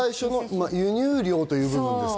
輸入量という部分ですか？